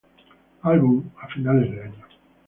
Album" a finales de año.